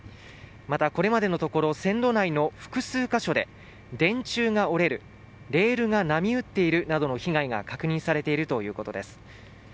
また、これまでのところ線路内の複数箇所で電柱が折れる、レールが波打っているなどの被害が確認されているということです。